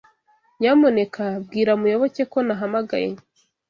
Nyamuneka bwira Muyoboke ko nahamagaye.